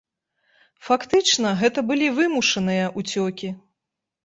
Фактычна гэта былі вымушаныя ўцёкі.